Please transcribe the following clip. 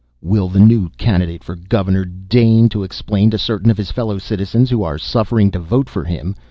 Will the new candidate for Governor deign to explain to certain of his fellow citizens (who are suffering to vote for him!)